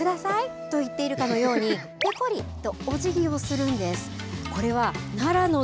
まるで、くださいと言っているかのようにぺこりとおじぎをするんです。